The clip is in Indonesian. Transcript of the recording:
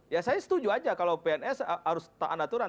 ya saya setuju aja kalau pns harus tahan aturan